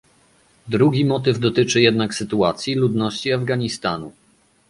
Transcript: Drugi motyw dotyczy jednak sytuacji ludności Afganistanu